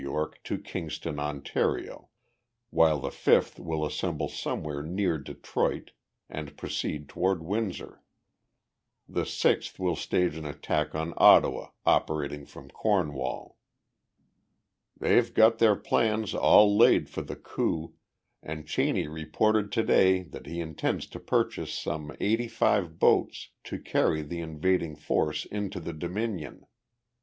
Y., to Kingston, Ontario, while the fifth will assemble somewhere near Detroit and proceed toward Windsor. The sixth will stage an attack on Ottawa, operating from Cornwall. "They've got their plans all laid for the coup, and Cheney reported to day that he intends to purchase some eighty five boats to carry the invading force into the Dominion.